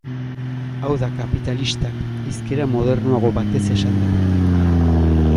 Hau da, kapitalistak, hizkera modernoago batez esanda.